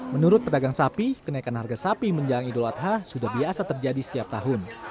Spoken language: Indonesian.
menurut pedagang sapi kenaikan harga sapi menjelang idul adha sudah biasa terjadi setiap tahun